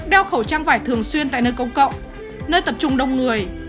đeo khẩu trang vải thường xuyên tại nơi công cộng nơi tập trung đông người